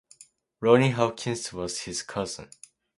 Ronnie Hawkins was his cousin.